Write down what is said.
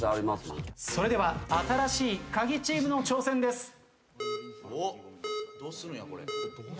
それでは新しいカギチームの挑戦です。